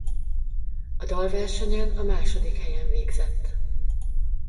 A dalversenyen a második helyen végzett.